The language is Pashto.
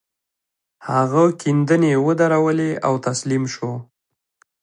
هغه کيندنې ودرولې او تسليم شو.